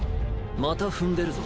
また踏んでるぞ。